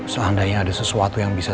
seandainya ada sesuatu yang bisa